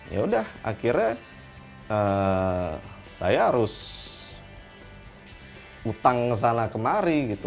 yaudah akhirnya saya harus utang sana kemari gitu